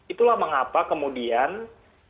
itulah mengapa kemudian kita memiliki